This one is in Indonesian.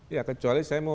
ya kecuali saya mau